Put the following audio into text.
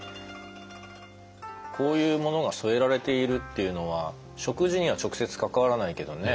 こういうものが添えられているっていうのは食事には直接関わらないけどね